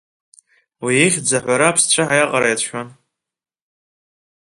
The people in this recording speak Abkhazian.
Уи ихьӡ аҳәара аԥсцәаҳа иаҟара иацәшәон.